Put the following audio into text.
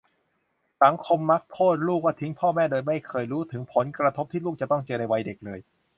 สังคมมักโทษลูกว่าทิ้งพ่อแม่ โดยไม่เคยรู้ถึงผลกระทบที่ลูกจะต้องเจอในวัยเด็กเลย